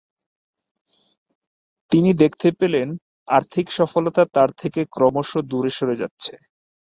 তিনি দেখতে পেলেন আর্থিক সফলতা তার থেকে ক্রমশ দূরে সরে যাচ্ছে।